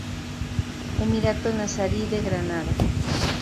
Emirato nazarí de Granada.